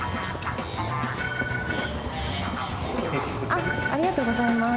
ありがとうございます。